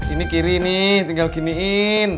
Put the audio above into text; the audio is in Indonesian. ini kiri nih tinggal kiniin